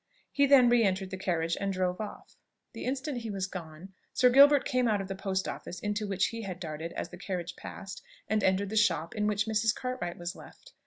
He then re entered the carriage and drove off. The instant he was gone, Sir Gilbert came out of the post office into which he had darted as the carriage passed, and entered the shop in which Mrs. Cartwright was left.